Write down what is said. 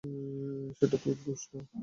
সেটা তার দোষ না।